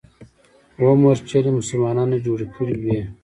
اوه مورچلې مسلمانانو جوړې کړې وې.